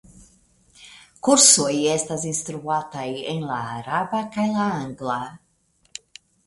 Kursoj estas instruataj en la araba kaj la angla.